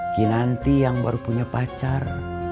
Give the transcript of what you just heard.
kinanti yang baru punya pacar